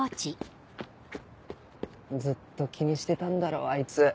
ずっと気にしてたんだろあいつ。